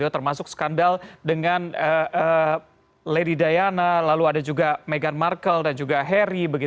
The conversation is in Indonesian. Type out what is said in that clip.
termasuk skandal dengan lady diana lalu ada juga meghan markle dan juga harry